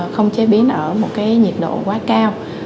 không chế biến ở một cái nhiệt độ quá cao